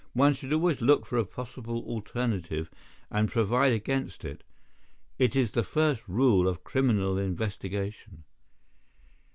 One should always look for a possible alternative, and provide against it. It is the first rule of criminal investigation."